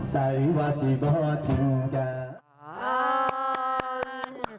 ใส่วาสีบอร์ทีมการ